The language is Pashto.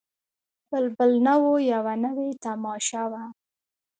بلبل نه وو یوه نوې تماشه وه